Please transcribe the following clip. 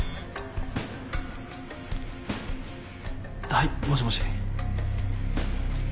はいもしもし。